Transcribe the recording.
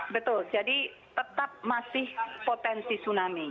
betul jadi tetap masih potensi tsunami